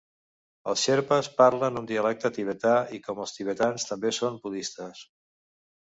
Els xerpes parlen un dialecte tibetà, i com els tibetans també són budistes.